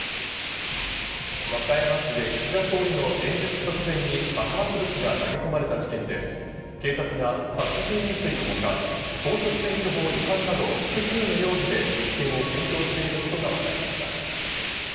和歌山市で岸田総理の演説直前に爆発物が投げ込まれた事件で、警察が殺人未遂のほか、公職選挙法違反など複数の容疑で立件を検討していることがわかりました。